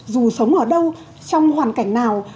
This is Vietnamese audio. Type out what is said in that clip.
dù sống ở đâu trong hoàn cảnh nào